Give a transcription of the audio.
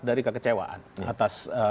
dari kekecewaan atas